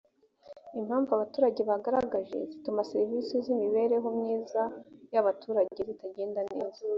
impamvu abaturage bagaragaje zituma serivisi z’imibereho myiza y’abaturage zitagenda neza